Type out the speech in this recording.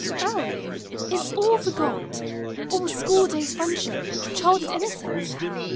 O, is all forgot? All school days' friendship, childhood innocence?